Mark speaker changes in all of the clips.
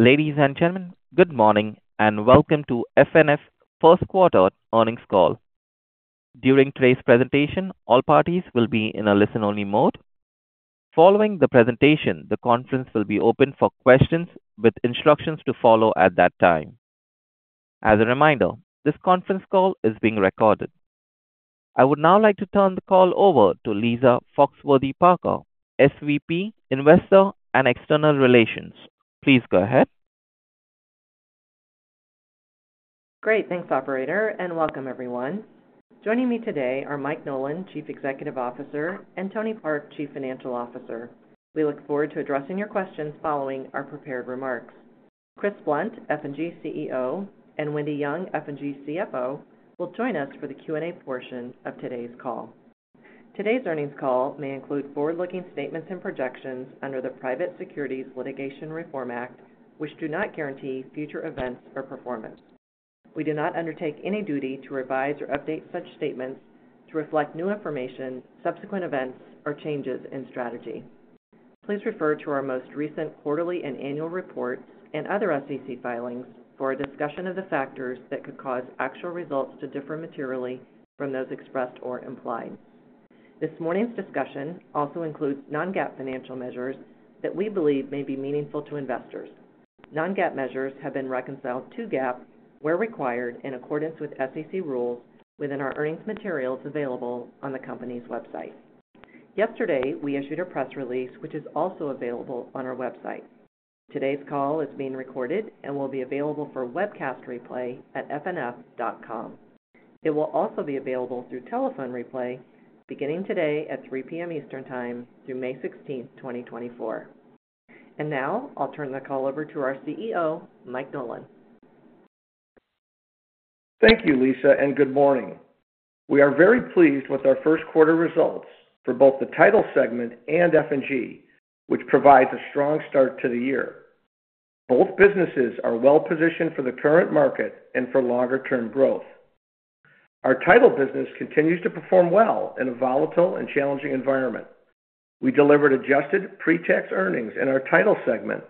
Speaker 1: Ladies and gentlemen, good morning and welcome to FNF First Quarter Earnings Call. During today's presentation, all parties will be in a listen-only mode. Following the presentation, the conference will be open for questions with instructions to follow at that time. As a reminder, this conference call is being recorded. I would now like to turn the call over to Lisa Foxworthy-Parker, SVP, Investor and External Relations. Please go ahead.
Speaker 2: Great, thanks Operator, and welcome everyone. Joining me today are Mike Nolan, Chief Executive Officer, and Tony Park, Chief Financial Officer. We look forward to addressing your questions following our prepared remarks. Chris Blunt, F&G CEO, and Wendy Young, F&G CFO, will join us for the Q&A portion of today's call. Today's earnings call may include forward-looking statements and projections under the Private Securities Litigation Reform Act, which do not guarantee future events or performance. We do not undertake any duty to revise or update such statements to reflect new information, subsequent events, or changes in strategy. Please refer to our most recent quarterly and annual reports and other SEC filings for a discussion of the factors that could cause actual results to differ materially from those expressed or implied. This morning's discussion also includes non-GAAP financial measures that we believe may be meaningful to investors. Non-GAAP measures have been reconciled to GAAP where required in accordance with SEC rules within our earnings materials available on the company's website. Yesterday, we issued a press release which is also available on our website. Today's call is being recorded and will be available for webcast replay at fnf.com. It will also be available through telephone replay beginning today at 3:00 P.M. Eastern Time through May 16, 2024. And now I'll turn the call over to our CEO, Mike Nolan.
Speaker 3: Thank you, Lisa, and good morning. We are very pleased with our first quarter results for both the title segment and F&G, which provides a strong start to the year. Both businesses are well-positioned for the current market and for longer-term growth. Our title business continues to perform well in a volatile and challenging environment. We delivered adjusted pre-tax earnings in our title segment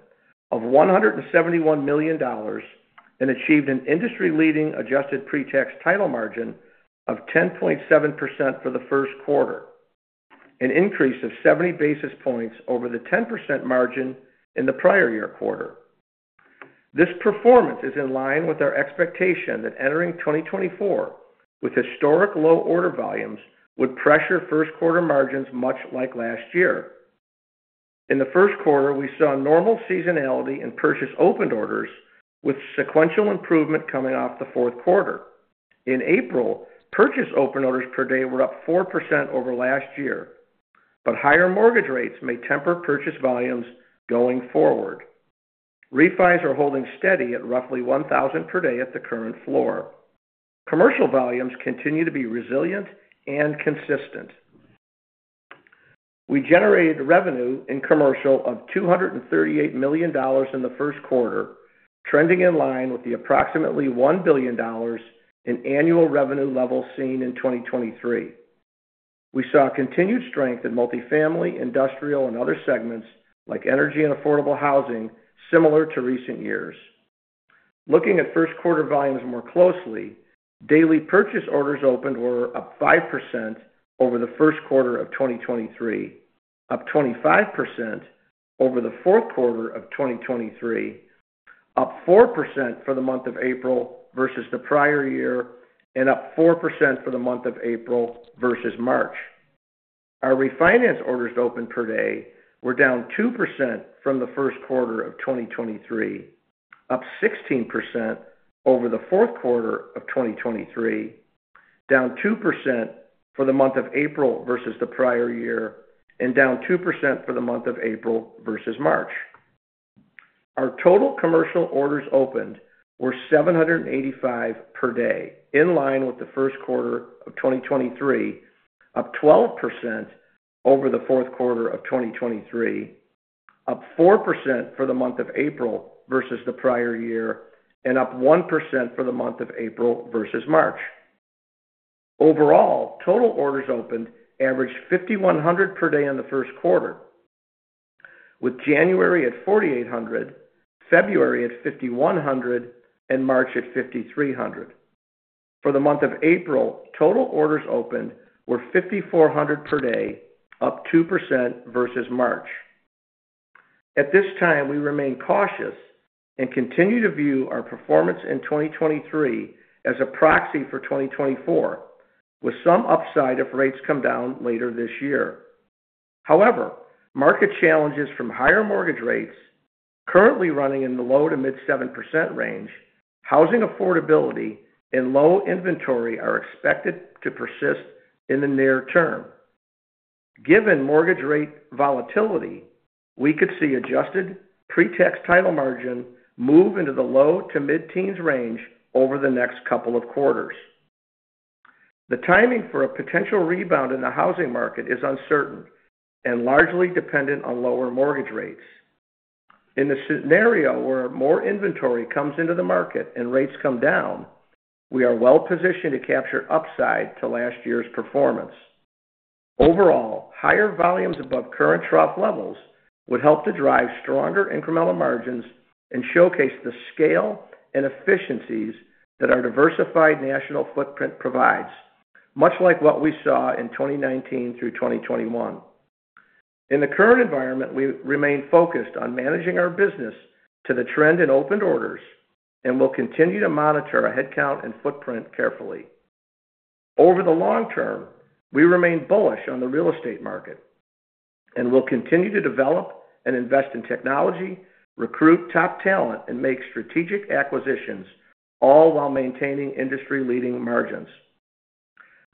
Speaker 3: of $171 million and achieved an industry-leading adjusted pre-tax title margin of 10.7% for the first quarter, an increase of 70 basis points over the 10% margin in the prior year quarter. This performance is in line with our expectation that entering 2024 with historic low order volumes would pressure first-quarter margins much like last year. In the first quarter, we saw normal seasonality in purchase opened orders, with sequential improvement coming off the fourth quarter. In April, purchase opened orders per day were up 4% over last year, but higher mortgage rates may temper purchase volumes going forward. Refis are holding steady at roughly 1,000 per day at the current floor. Commercial volumes continue to be resilient and consistent. We generated revenue in commercial of $238 million in the first quarter, trending in line with the approximately $1 billion in annual revenue levels seen in 2023. We saw continued strength in multifamily, industrial, and other segments like energy and affordable housing, similar to recent years. Looking at first-quarter volumes more closely, daily purchase orders opened were up 5% over the first quarter of 2023, up 25% over the fourth quarter of 2023, up 4% for the month of April versus the prior year, and up 4% for the month of April versus March. Our refinance orders opened per day were down 2% from the first quarter of 2023, up 16% over the fourth quarter of 2023, down 2% for the month of April versus the prior year, and down 2% for the month of April versus March. Our total commercial orders opened were 785 per day, in line with the first quarter of 2023, up 12% over the fourth quarter of 2023, up 4% for the month of April versus the prior year, and up 1% for the month of April versus March. Overall, total orders opened averaged 5,100 per day in the first quarter, with January at 4,800, February at 5,100, and March at 5,300. For the month of April, total orders opened were 5,400 per day, up 2% versus March. At this time, we remain cautious and continue to view our performance in 2023 as a proxy for 2024, with some upside if rates come down later this year. However, market challenges from higher mortgage rates, currently running in the low-to-mid-7% range, housing affordability, and low inventory are expected to persist in the near term. Given mortgage rate volatility, we could see adjusted pre-tax title margin move into the low-to-mid-teens range over the next couple of quarters. The timing for a potential rebound in the housing market is uncertain and largely dependent on lower mortgage rates. In the scenario where more inventory comes into the market and rates come down, we are well-positioned to capture upside to last year's performance. Overall, higher volumes above current trough levels would help to drive stronger incremental margins and showcase the scale and efficiencies that our diversified national footprint provides, much like what we saw in 2019 through 2021. In the current environment, we remain focused on managing our business to the trend in opened orders and will continue to monitor our headcount and footprint carefully. Over the long term, we remain bullish on the real estate market and will continue to develop and invest in technology, recruit top talent, and make strategic acquisitions, all while maintaining industry-leading margins.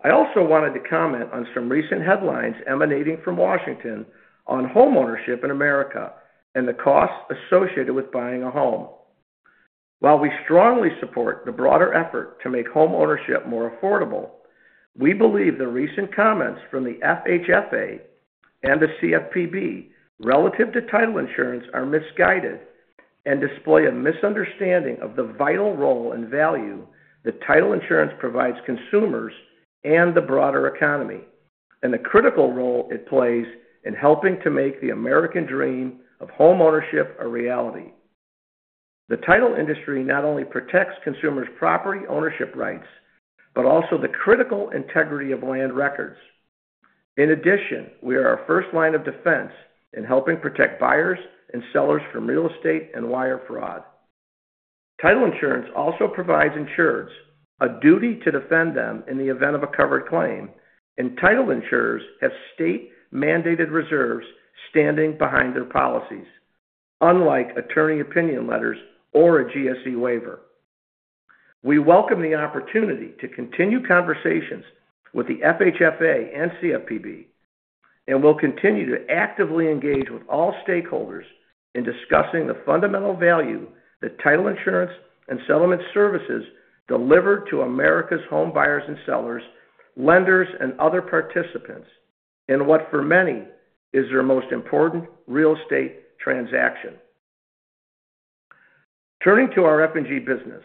Speaker 3: I also wanted to comment on some recent headlines emanating from Washington on homeownership in America and the costs associated with buying a home. While we strongly support the broader effort to make homeownership more affordable, we believe the recent comments from the FHFA and the CFPB relative to title insurance are misguided and display a misunderstanding of the vital role and value that title insurance provides consumers and the broader economy, and the critical role it plays in helping to make the American dream of homeownership a reality. The title industry not only protects consumers' property ownership rights but also the critical integrity of land records. In addition, we are our first line of defense in helping protect buyers and sellers from real estate and wire fraud. Title insurance also provides insureds a duty to defend them in the event of a covered claim, and title insurers have state-mandated reserves standing behind their policies, unlike attorney opinion letters or a GSE waiver. We welcome the opportunity to continue conversations with the FHFA and CFPB, and we'll continue to actively engage with all stakeholders in discussing the fundamental value that title insurance and settlement services deliver to America's home buyers and sellers, lenders, and other participants in what, for many, is their most important real estate transaction. Turning to our F&G business,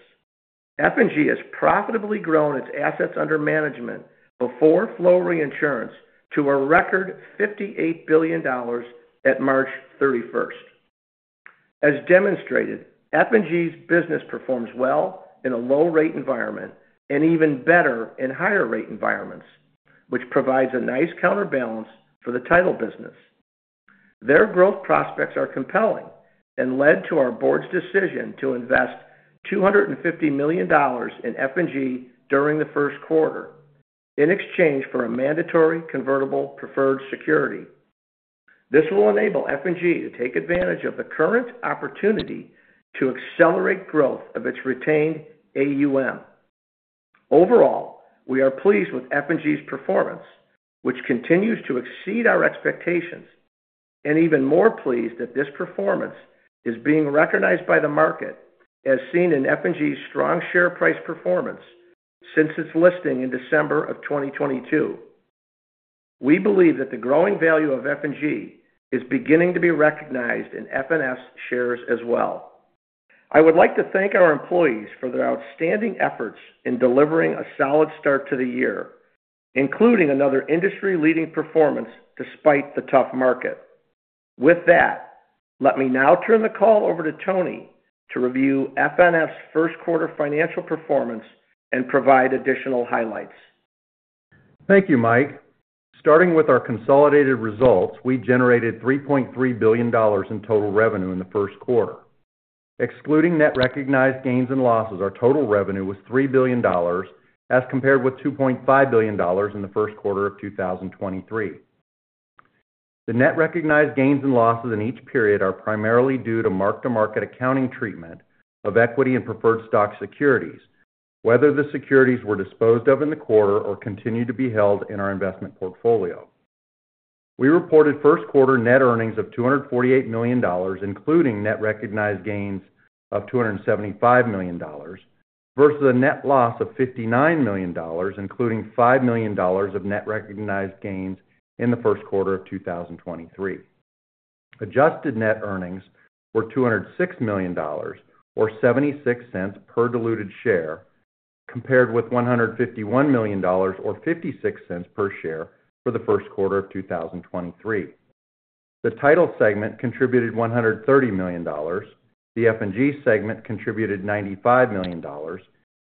Speaker 3: F&G has profitably grown its assets under management before flow reinsurance to a record $58 billion at March 31. As demonstrated, F&G's business performs well in a low-rate environment and even better in higher-rate environments, which provides a nice counterbalance for the title business. Their growth prospects are compelling and led to our board's decision to invest $250 million in F&G during the first quarter in exchange for a mandatory convertible preferred security. This will enable F&G to take advantage of the current opportunity to accelerate growth of its retained AUM. Overall, we are pleased with F&G's performance, which continues to exceed our expectations, and even more pleased that this performance is being recognized by the market as seen in F&G's strong share price performance since its listing in December of 2022. We believe that the growing value of F&G is beginning to be recognized in FNF's shares as well. I would like to thank our employees for their outstanding efforts in delivering a solid start to the year, including another industry-leading performance despite the tough market. With that, let me now turn the call over to Tony to review FNF's first quarter financial performance and provide additional highlights.
Speaker 4: Thank you, Mike. Starting with our consolidated results, we generated $3.3 billion in total revenue in the first quarter. Excluding net recognized gains and losses, our total revenue was $3 billion as compared with $2.5 billion in the first quarter of 2023. The net recognized gains and losses in each period are primarily due to mark-to-market accounting treatment of equity and preferred stock securities, whether the securities were disposed of in the quarter or continued to be held in our investment portfolio. We reported first quarter net earnings of $248 million, including net recognized gains of $275 million, versus a net loss of $59 million, including $5 million of net recognized gains in the first quarter of 2023. Adjusted net earnings were $206 million or $0.76 per diluted share, compared with $151 million or $0.56 per share for the first quarter of 2023. The title segment contributed $130 million, the F&G segment contributed $95 million,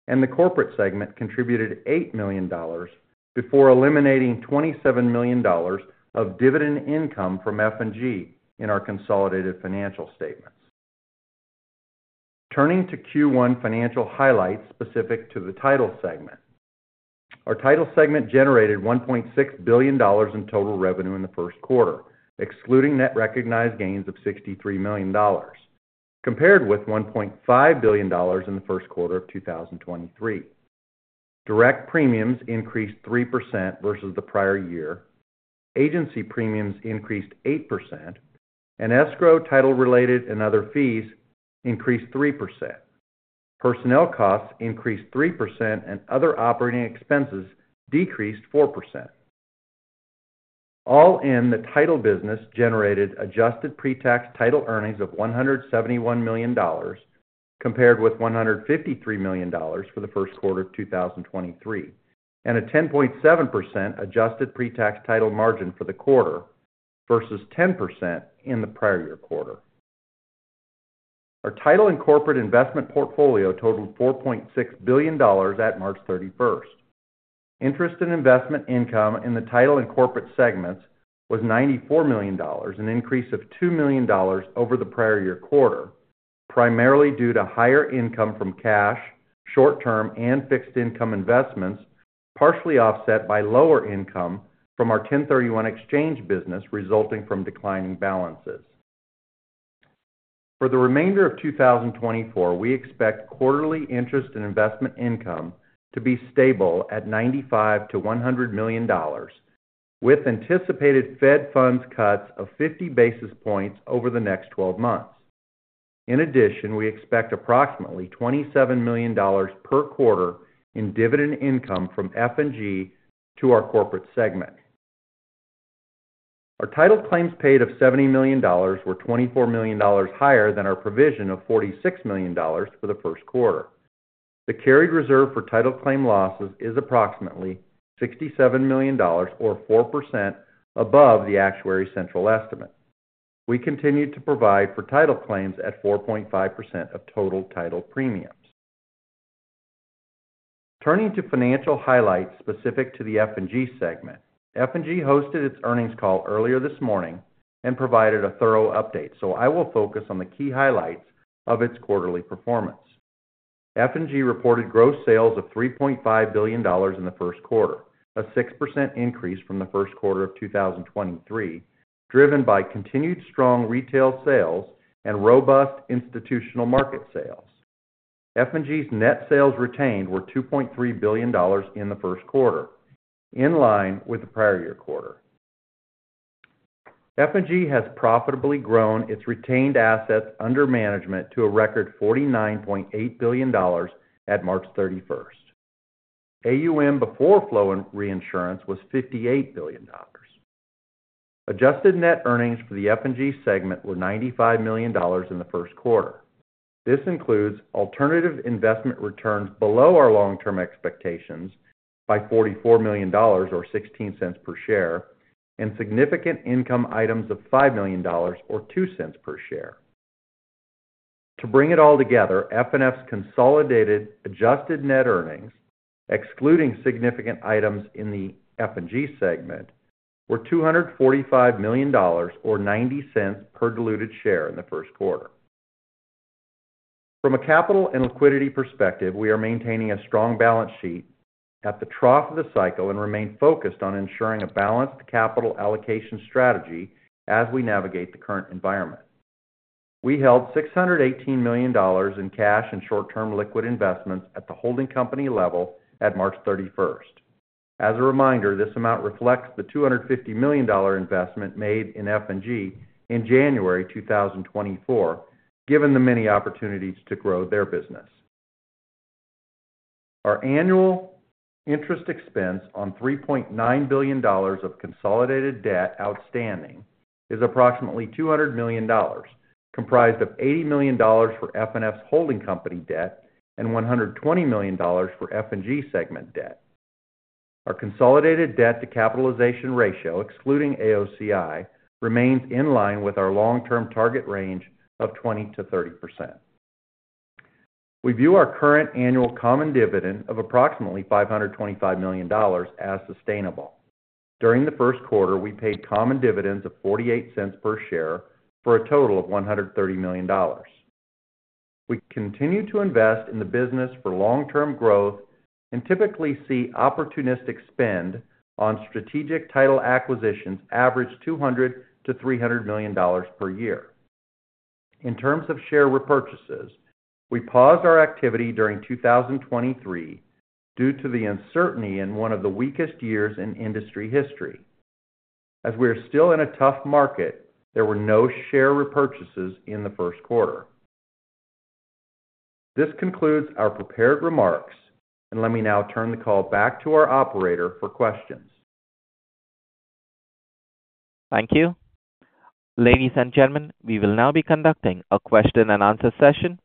Speaker 4: and the corporate segment contributed $8 million before eliminating $27 million of dividend income from F&G in our consolidated financial statements. Turning to Q1 financial highlights specific to the title segment, our title segment generated $1.6 billion in total revenue in the first quarter, excluding net recognized gains of $63 million, compared with $1.5 billion in the first quarter of 2023. Direct premiums increased 3% versus the prior year, agency premiums increased 8%, and escrow, title-related, and other fees increased 3%. Personnel costs increased 3% and other operating expenses decreased 4%. All in, the title business generated adjusted pre-tax title earnings of $171 million compared with $153 million for the first quarter of 2023, and a 10.7% adjusted pre-tax title margin for the quarter versus 10% in the prior year quarter. Our title and corporate investment portfolio totaled $4.6 billion at March 31. Interest in investment income in the title and corporate segments was $94 million, an increase of $2 million over the prior year quarter, primarily due to higher income from cash, short-term, and fixed-income investments, partially offset by lower income from our 1031 exchange business resulting from declining balances. For the remainder of 2024, we expect quarterly interest and investment income to be stable at $95-$100 million, with anticipated Fed Funds cuts of 50 basis points over the next 12 months. In addition, we expect approximately $27 million per quarter in dividend income from F&G to our corporate segment. Our title claims paid of $70 million were $24 million higher than our provision of $46 million for the first quarter. The carried reserve for title claim losses is approximately $67 million or 4% above the actuary's central estimate. We continue to provide for title claims at 4.5% of total title premiums. Turning to financial highlights specific to the F&G segment, F&G hosted its earnings call earlier this morning and provided a thorough update, so I will focus on the key highlights of its quarterly performance. F&G reported gross sales of $3.5 billion in the first quarter, a 6% increase from the first quarter of 2023, driven by continued strong retail sales and robust institutional market sales. F&G's net sales retained were $2.3 billion in the first quarter, in line with the prior year quarter. F&G has profitably grown its retained assets under management to a record $49.8 billion at March 31. AUM before Flow Reinsurance was $58 billion. Adjusted net earnings for the F&G segment were $95 million in the first quarter. This includes alternative investment returns below our long-term expectations by $44 million or $0.16 per share and significant income items of $5 million or $0.02 per share. To bring it all together, FNF's consolidated adjusted net earnings, excluding significant items in the F&G segment, were $245 million or $0.90 per diluted share in the first quarter. From a capital and liquidity perspective, we are maintaining a strong balance sheet at the trough of the cycle and remain focused on ensuring a balanced capital allocation strategy as we navigate the current environment. We held $618 million in cash and short-term liquid investments at the holding company level at March 31. As a reminder, this amount reflects the $250 million investment made in F&G in January 2024, given the many opportunities to grow their business. Our annual interest expense on $3.9 billion of consolidated debt outstanding is approximately $200 million, comprised of $80 million for FNF's holding company debt and $120 million for F&G segment debt. Our consolidated debt-to-capitalization ratio, excluding AOCI, remains in line with our long-term target range of 20%-30%. We view our current annual common dividend of approximately $525 million as sustainable. During the first quarter, we paid common dividends of $0.48 per share for a total of $130 million. We continue to invest in the business for long-term growth and typically see opportunistic spend on strategic title acquisitions average $200-$300 million per year. In terms of share repurchases, we paused our activity during 2023 due to the uncertainty in one of the weakest years in industry history. As we are still in a tough market, there were no share repurchases in the first quarter. This concludes our prepared remarks, and let me now turn the call back to our operator for questions.
Speaker 1: Thank you. Ladies and gentlemen, we will now be conducting a question-and-answer session.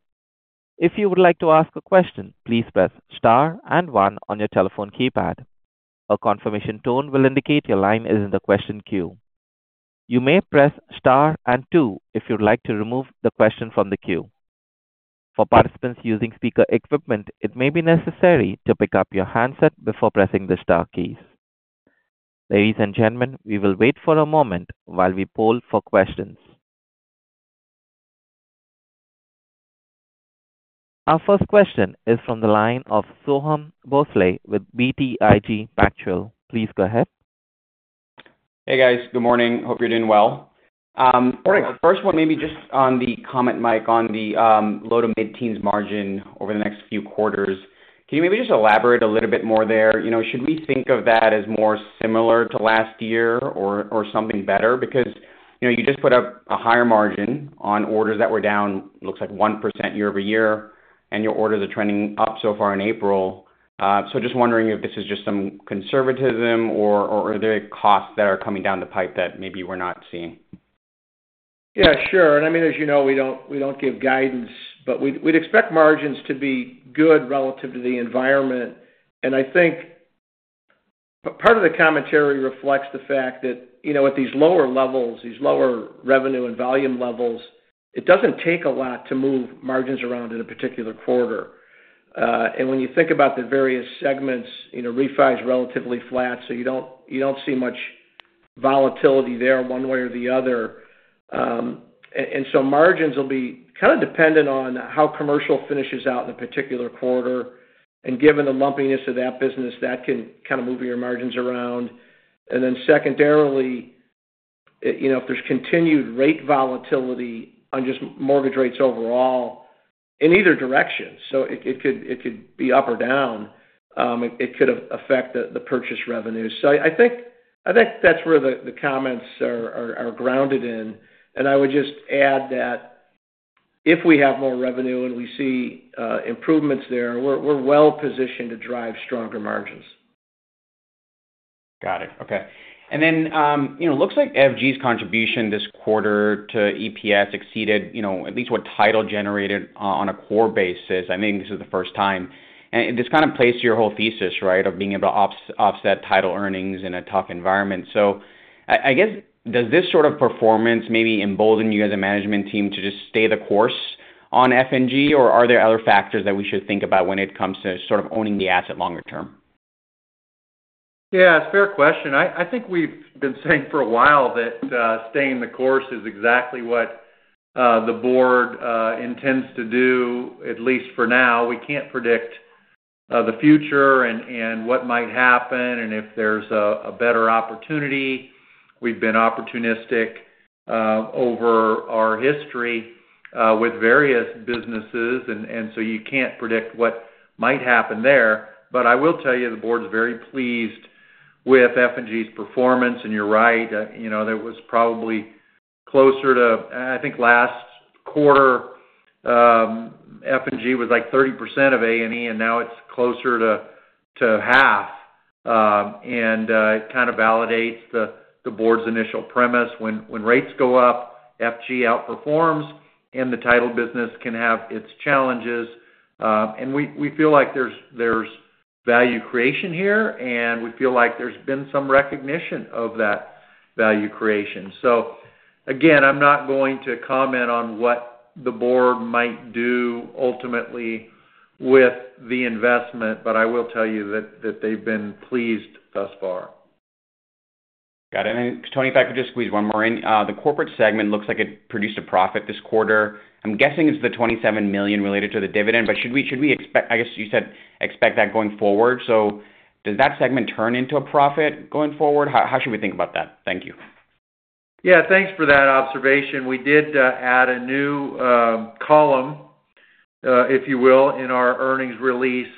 Speaker 1: If you would like to ask a question, please press star and one on your telephone keypad. A confirmation tone will indicate your line is in the question queue. You may press star and two if you would like to remove the question from the queue. For participants using speaker equipment, it may be necessary to pick up your handset before pressing the star keys. Ladies and gentlemen, we will wait for a moment while we poll for questions. Our first question is from the line of Soham Bhonsle with BTIG. Please go ahead.
Speaker 5: Hey, guys. Good morning. Hope you're doing well. The first one, maybe just on the comment Mike on the low to mid-teens margin over the next few quarters. Can you maybe just elaborate a little bit more there? Should we think of that as more similar to last year or something better? Because you just put up a higher margin on orders that were down, looks like, 1% year-over-year, and your orders are trending up so far in April. So just wondering if this is just some conservatism or are there costs that are coming down the pipe that maybe we're not seeing?
Speaker 3: Yeah, sure. I mean, as you know, we don't give guidance, but we'd expect margins to be good relative to the environment. I think part of the commentary reflects the fact that at these lower levels, these lower revenue and volume levels, it doesn't take a lot to move margins around in a particular quarter. When you think about the various segments, REFI is relatively flat, so you don't see much volatility there one way or the other. So margins will be kind of dependent on how commercial finishes out in a particular quarter. Given the lumpiness of that business, that can kind of move your margins around. Then secondarily, if there's continued rate volatility on just mortgage rates overall in either direction, so it could be up or down, it could affect the purchase revenues. I think that's where the comments are grounded in. I would just add that if we have more revenue and we see improvements there, we're well-positioned to drive stronger margins.
Speaker 5: Got it. Okay. Then it looks like F&G's contribution this quarter to EPS exceeded at least what title generated on a core basis. I think this is the first time. This kind of plays to your whole thesis, right, of being able to offset title earnings in a tough environment. I guess, does this sort of performance maybe embolden you as a management team to just stay the course on F&G, or are there other factors that we should think about when it comes to sort of owning the asset longer term?
Speaker 3: Yeah, it's a fair question. I think we've been saying for a while that staying the course is exactly what the board intends to do, at least for now. We can't predict the future and what might happen and if there's a better opportunity. We've been opportunistic over our history with various businesses, and so you can't predict what might happen there. But I will tell you, the board's very pleased with F&G's performance. You're right. It was probably closer to, I think last quarter, F&G was like 30% of ANE, and now it's closer to half. It kind of validates the board's initial premise. When rates go up, F&G outperforms, and the title business can have its challenges. We feel like there's value creation here, and we feel like there's been some recognition of that value creation. So again, I'm not going to comment on what the board might do ultimately with the investment, but I will tell you that they've been pleased thus far.
Speaker 5: Got it. And then Tony Park, just squeeze one more in. The corporate segment looks like it produced a profit this quarter. I'm guessing it's the $27 million related to the dividend, but should we expect, I guess you said, expect that going forward. So does that segment turn into a profit going forward? How should we think about that? Thank you.
Speaker 4: Yeah, thanks for that observation. We did add a new column, if you will, in our earnings release.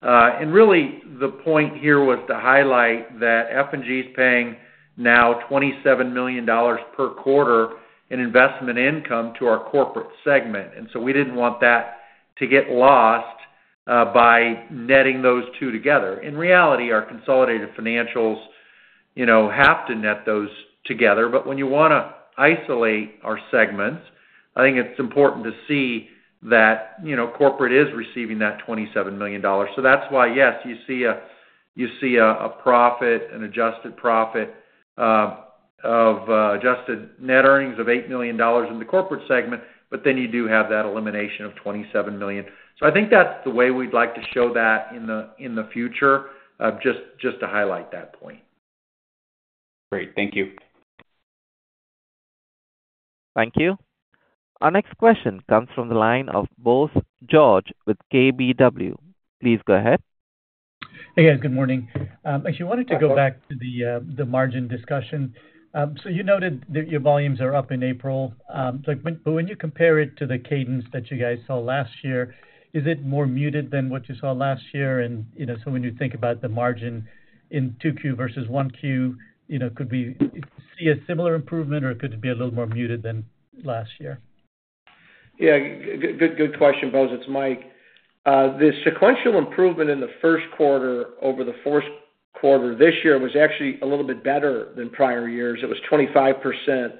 Speaker 4: And really, the point here was to highlight that F&G is paying now $27 million per quarter in investment income to our corporate segment. And so we didn't want that to get lost by netting those two together. In reality, our consolidated financials have to net those two together. But when you want to isolate our segments, I think it's important to see that corporate is receiving that $27 million. So that's why, yes, you see a profit, an adjusted profit of adjusted net earnings of $8 million in the corporate segment, but then you do have that elimination of $27 million. So I think that's the way we'd like to show that in the future, just to highlight that point.
Speaker 5: Great. Thank you.
Speaker 1: Thank you. Our next question comes from the line of Bose George with KBW. Please go ahead.
Speaker 6: Hey, guys. Good morning. Actually, I wanted to go back to the margin discussion. So you noted that your volumes are up in April. But when you compare it to the cadence that you guys saw last year, is it more muted than what you saw last year? And so when you think about the margin in 2Q versus 1Q, could we see a similar improvement, or could it be a little more muted than last year?
Speaker 3: Yeah, good question, Bose. It's Mike. The sequential improvement in the first quarter over the fourth quarter this year was actually a little bit better than prior years. It was 25%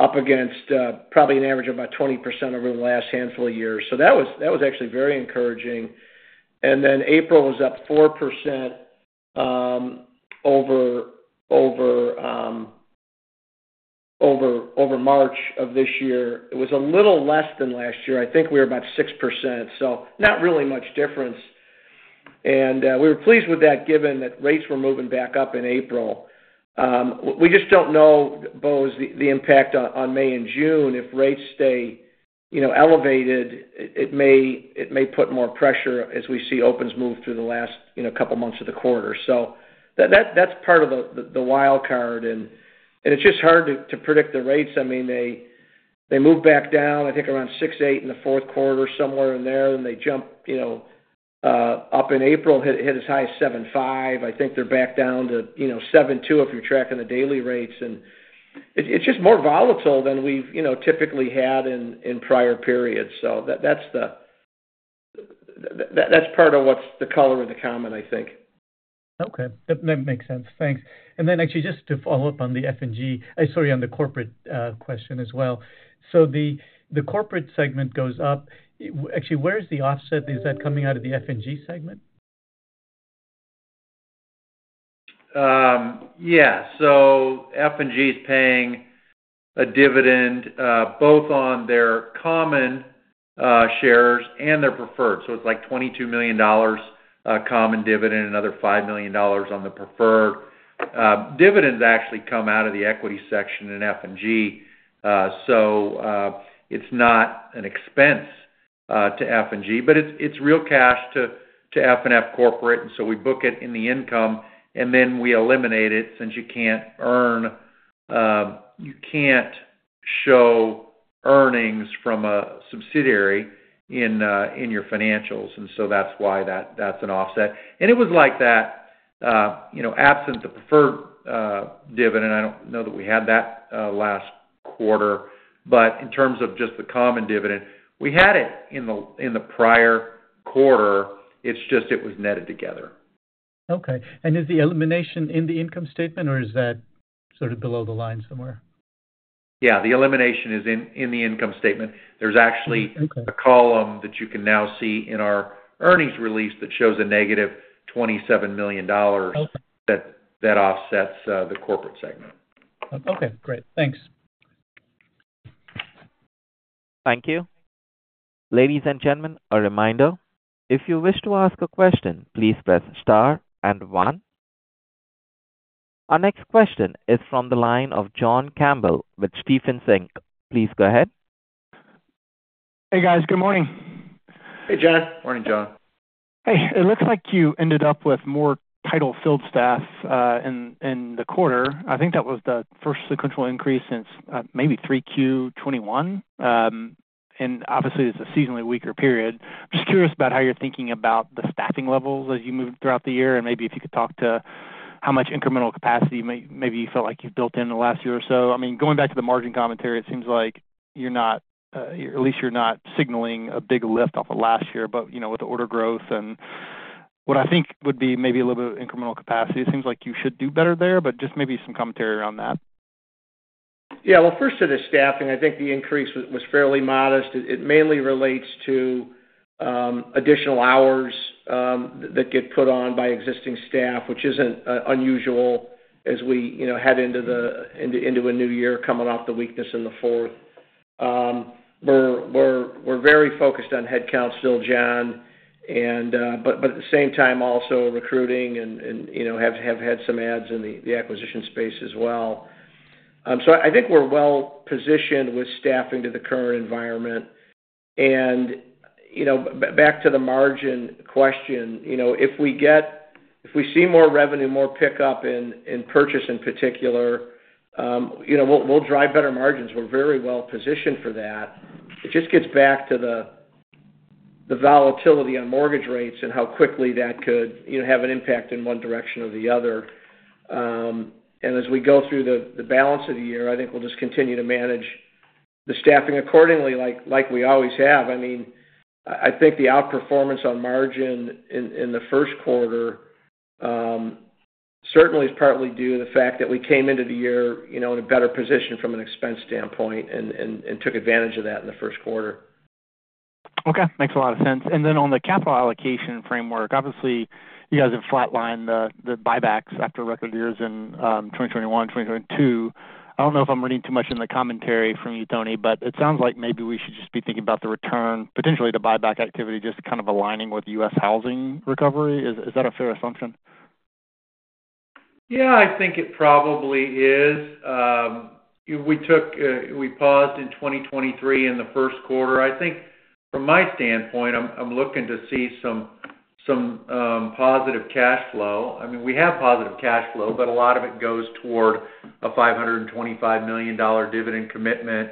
Speaker 3: up against probably an average of about 20% over the last handful of years. So that was actually very encouraging. And then April was up 4% over March of this year. It was a little less than last year. I think we were about 6%, so not really much difference. And we were pleased with that given that rates were moving back up in April. We just don't know, Bose, the impact on May and June. If rates stay elevated, it may put more pressure as we see opens move through the last couple of months of the quarter. So that's part of the wild card. And it's just hard to predict the rates. I mean, they move back down, I think, around 6-8 in the fourth quarter, somewhere in there. Then they jump up in April, hit as high as 7.5. I think they're back down to 7.2 if you're tracking the daily rates. And it's just more volatile than we've typically had in prior periods. So that's part of what's the color of the comment, I think.
Speaker 6: Okay. That makes sense. Thanks. And then actually, just to follow up on the F&G sorry, on the corporate question as well. So the corporate segment goes up. Actually, where's the offset? Is that coming out of the F&G segment?
Speaker 3: Yeah. So F&G is paying a dividend both on their common shares and their preferred. So it's like $22 million common dividend, another $5 million on the preferred. Dividends actually come out of the equity section in F&G, so it's not an expense to F&G. But it's real cash to FNF corporate, and so we book it in the income, and then we eliminate it since you can't show earnings from a subsidiary in your financials. And so that's why that's an offset. And it was like that absent the preferred dividend. I don't know that we had that last quarter. But in terms of just the common dividend, we had it in the prior quarter. It's just it was netted together.
Speaker 6: Okay. Is the elimination in the income statement, or is that sort of below the line somewhere?
Speaker 3: Yeah, the elimination is in the income statement. There's actually a column that you can now see in our earnings release that shows a negative $27 million that offsets the corporate segment.
Speaker 6: Okay. Great. Thanks.
Speaker 1: Thank you. Ladies and gentlemen, a reminder. If you wish to ask a question, please press star and one. Our next question is from the line of John Campbell with Stephens Inc. Please go ahead.
Speaker 7: Hey, guys. Good morning.
Speaker 4: Hey, John.
Speaker 3: Morning, John.
Speaker 7: Hey, it looks like you ended up with more title field staff in the quarter. I think that was the first sequential increase since maybe Q3 2021. And obviously, it's a seasonally weaker period. I'm just curious about how you're thinking about the staffing levels as you move throughout the year, and maybe if you could talk to how much incremental capacity maybe you felt like you've built in the last year or so. I mean, going back to the margin commentary, it seems like at least you're not signaling a big lift off of last year. But with the order growth and what I think would be maybe a little bit of incremental capacity, it seems like you should do better there. But just maybe some commentary around that.
Speaker 3: Yeah. Well, first, to the staffing, I think the increase was fairly modest. It mainly relates to additional hours that get put on by existing staff, which isn't unusual as we head into a new year coming off the weakness in the fourth. We're very focused on headcount still, John, but at the same time, also recruiting and have had some ads in the acquisition space as well. So I think we're well-positioned with staffing to the current environment. And back to the margin question, if we see more revenue, more pickup in purchase in particular, we'll drive better margins. We're very well-positioned for that. It just gets back to the volatility on mortgage rates and how quickly that could have an impact in one direction or the other. As we go through the balance of the year, I think we'll just continue to manage the staffing accordingly like we always have. I mean, I think the outperformance on margin in the first quarter certainly is partly due to the fact that we came into the year in a better position from an expense standpoint and took advantage of that in the first quarter.
Speaker 7: Okay. Makes a lot of sense. And then on the capital allocation framework, obviously, you guys have flatlined the buybacks after record years in 2021, 2022. I don't know if I'm reading too much in the commentary from you, Tony, but it sounds like maybe we should just be thinking about the return, potentially the buyback activity, just kind of aligning with U.S. housing recovery. Is that a fair assumption?
Speaker 4: Yeah, I think it probably is. We paused in 2023 in the first quarter. I think from my standpoint, I'm looking to see some positive cash flow. I mean, we have positive cash flow, but a lot of it goes toward a $525 million dividend commitment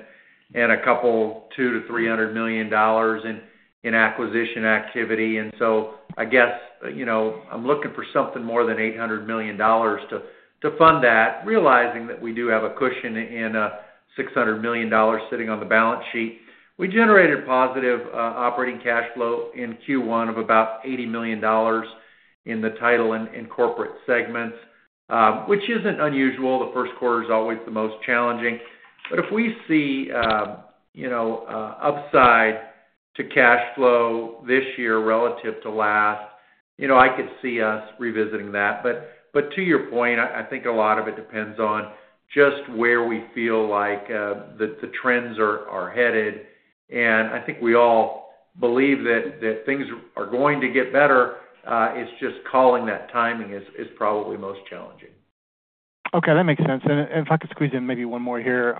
Speaker 4: and a couple of $200-$300 million in acquisition activity. And so I guess I'm looking for something more than $800 million to fund that, realizing that we do have a cushion in a $600 million sitting on the balance sheet. We generated positive operating cash flow in Q1 of about $80 million in the title and corporate segments, which isn't unusual. The first quarter is always the most challenging. But if we see upside to cash flow this year relative to last, I could see us revisiting that. To your point, I think a lot of it depends on just where we feel like the trends are headed. I think we all believe that things are going to get better. It's just calling that timing is probably most challenging.
Speaker 7: Okay. That makes sense. And if I could squeeze in maybe one more here,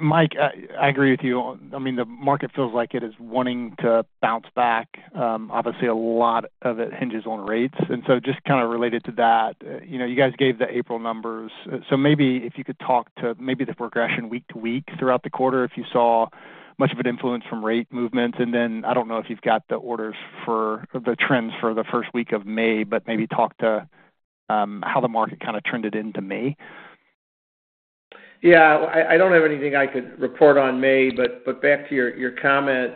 Speaker 7: Mike, I agree with you. I mean, the market feels like it is wanting to bounce back. Obviously, a lot of it hinges on rates. And so just kind of related to that, you guys gave the April numbers. So maybe if you could talk to maybe the progression week to week throughout the quarter, if you saw much of an influence from rate movements? And then I don't know if you've got the trends for the first week of May, but maybe talk to how the market kind of trended into May.
Speaker 3: Yeah. I don't have anything I could report on May. But back to your comment,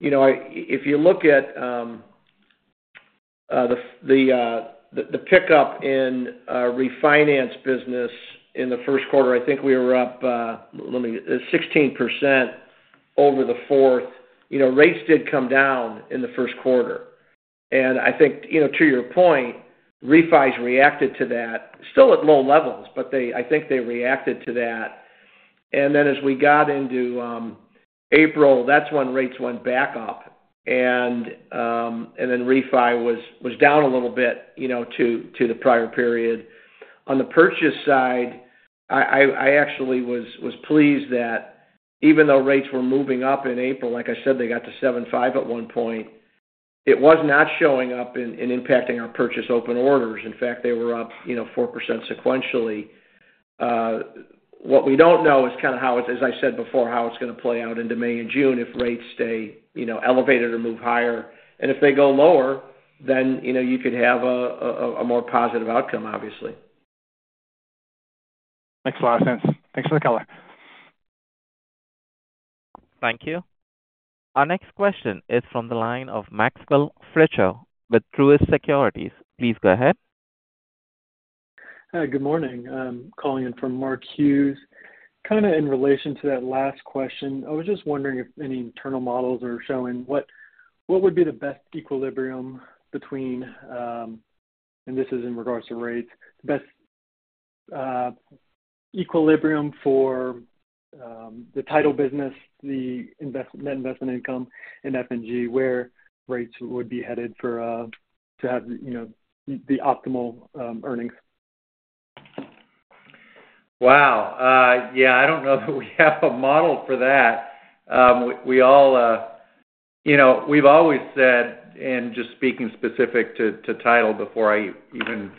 Speaker 3: if you look at the pickup in refinance business in the first quarter, I think we were up 16% over the fourth. Rates did come down in the first quarter. And I think, to your point, Refi's reacted to that, still at low levels, but I think they reacted to that. And then as we got into April, that's when rates went back up, and then Refi was down a little bit to the prior period. On the purchase side, I actually was pleased that even though rates were moving up in April, like I said, they got to 7.5 at one point, it was not showing up and impacting our purchase open orders. In fact, they were up 4% sequentially. What we don't know is kind of how it's, as I said before, how it's going to play out into May and June if rates stay elevated or move higher. If they go lower, then you could have a more positive outcome, obviously.
Speaker 7: Makes a lot of sense. Thanks for the color.
Speaker 1: Thank you. Our next question is from the line of Maxwell Fritscher with Truist Securities. Please go ahead.
Speaker 8: Hi. Good morning. Calling in from Mark Hughes. Kind of in relation to that last question, I was just wondering if any internal models are showing what would be the best equilibrium between - and this is in regards to rates - the best equilibrium for the title business, the net investment income, and F&G, where rates would be headed to have the optimal earnings?
Speaker 3: Wow. Yeah. I don't know that we have a model for that. We've always said, and just speaking specific to title before I even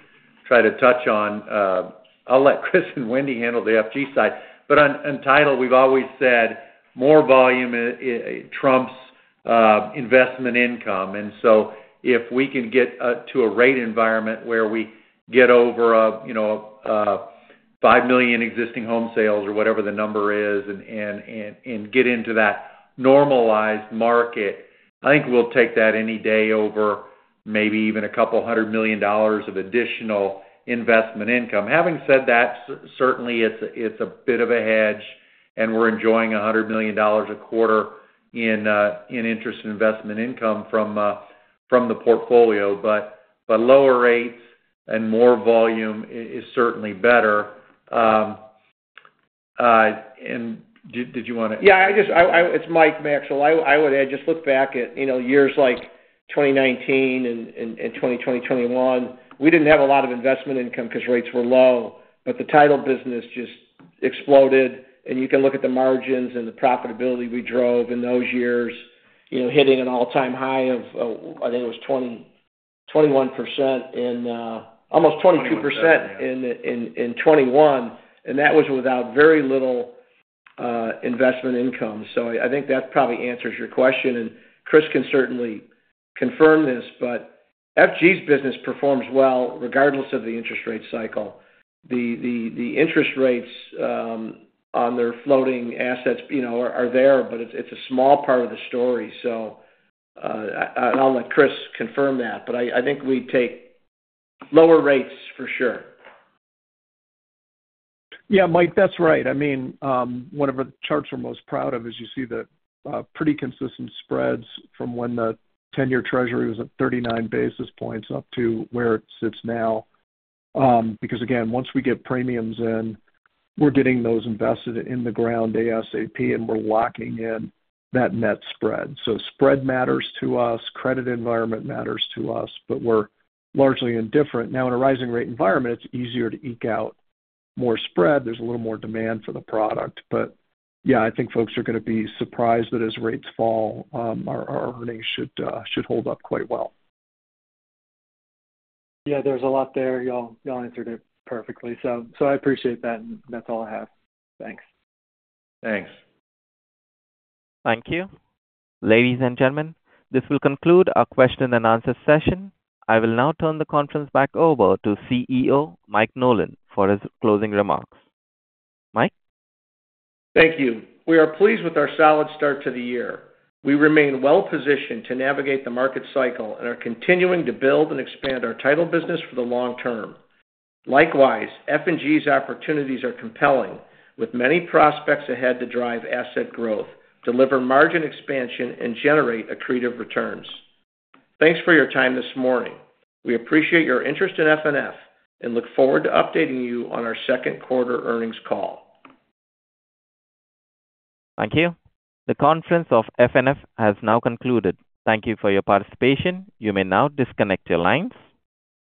Speaker 3: try to touch on, I'll let Chris and Wendy handle the F&G side. But on title, we've always said more volume trumps investment income. And so if we can get to a rate environment where we get over 5 million existing home sales or whatever the number is and get into that normalized market, I think we'll take that any day over maybe even a couple hundred million dollars of additional investment income. Having said that, certainly, it's a bit of a hedge, and we're enjoying $100 million a quarter in interest and investment income from the portfolio. But lower rates and more volume is certainly better.
Speaker 8: And did you want to?
Speaker 3: Yeah. It's Mike, Maxwell. I would add, just look back at years like 2019 and 2020, 2021. We didn't have a lot of investment income because rates were low, but the title business just exploded. And you can look at the margins and the profitability we drove in those years, hitting an all-time high of, I think it was 21%, almost 22% in 2021. And that was without very little investment income. So I think that probably answers your question. And Chris can certainly confirm this. But F&G's business performs well regardless of the interest rate cycle. The interest rates on their floating assets are there, but it's a small part of the story. And I'll let Chris confirm that. But I think we'd take lower rates for sure.
Speaker 9: Yeah, Mike, that's right. I mean, one of the charts we're most proud of is, you see, the pretty consistent spreads from when the 10-year Treasury was at 39 basis points up to where it sits now. Because again, once we get premiums in, we're getting those invested in the ground ASAP, and we're locking in that net spread. So spread matters to us. Credit environment matters to us, but we're largely indifferent. Now, in a rising-rate environment, it's easier to eke out more spread. There's a little more demand for the product. But yeah, I think folks are going to be surprised that as rates fall, our earnings should hold up quite well.
Speaker 8: Yeah. There's a lot there. Y'all answered it perfectly. So I appreciate that, and that's all I have. Thanks.
Speaker 3: Thanks.
Speaker 1: Thank you. Ladies and gentlemen, this will conclude our question-and-answer session. I will now turn the conference back over to CEO Mike Nolan for his closing remarks. Mike?
Speaker 3: Thank you. We are pleased with our solid start to the year. We remain well-positioned to navigate the market cycle and are continuing to build and expand our title business for the long term. Likewise, F&G's opportunities are compelling, with many prospects ahead to drive asset growth, deliver margin expansion, and generate accretive returns. Thanks for your time this morning. We appreciate your interest in FNF and look forward to updating you on our second quarter earnings call.
Speaker 1: Thank you. The conference of FNF has now concluded. Thank you for your participation. You may now disconnect your lines.